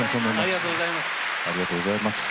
ありがとうございます。